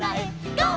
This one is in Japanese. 「ゴー！